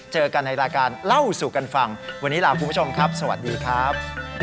เจอกันในรายการเล่าสู่กันฟังวันนี้ลาคุณผู้ชมครับสวัสดีครับ